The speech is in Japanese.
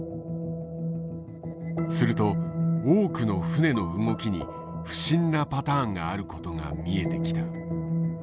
すると多くの船の動きに不審なパターンがあることが見えてきた。